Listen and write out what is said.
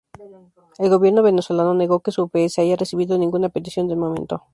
El Gobierno venezolano negó que su país haya recibido ninguna petición de momento.